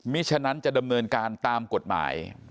ฉะนั้นจะดำเนินการตามกฎหมาย